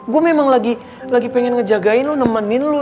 gue memang lagi pengen ngejagain lo nemenin lo